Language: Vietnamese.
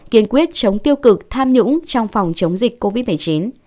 kiên quyết chống tiêu cực tham nhũng trong phòng chống dịch covid một mươi chín